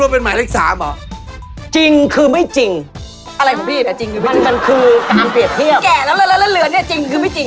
แก่แล้วแล้วเหลือเนี่ยจริงคือไม่จริงคืออะไร